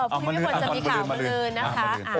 เออพรุ่งนี้พี่ฝนจะมีข่าวเมื่อรื่นนะคะ